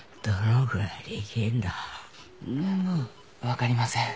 分かりません。